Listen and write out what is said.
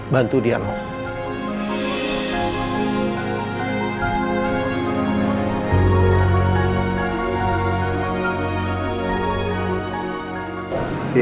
bantu dia noh